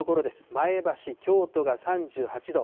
前橋、京都が３８度。